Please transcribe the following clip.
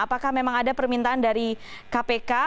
apakah memang ada permintaan dari kpk